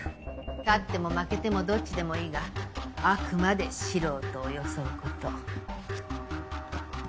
勝っても負けてもどっちでもいいがあくまで素人を装うこと。